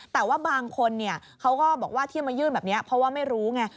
แต่ว่าบางคนเขาก็บอกว่าที่มายื่นแบบนี้เพราะว่าไม่รู้ไง